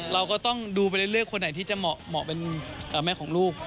เราก็ต้องดูไปเรื่อยคนไหนที่จะเหมาะเป็นแม่ของลูก